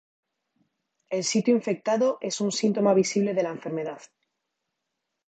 El sitio infectado es un síntoma visible de la enfermedad.